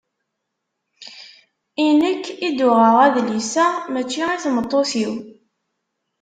I nekk i d-uɣeɣ adlis-a, mačči i tmeṭṭut-iw.